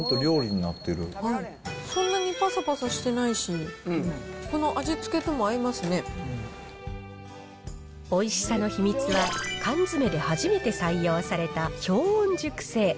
そんなにぱさぱさしてないし、おいしさの秘密は、缶詰で初めて採用された氷温熟成。